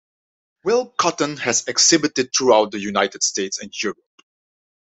Will Cotton has exhibited throughout the United States and Europe.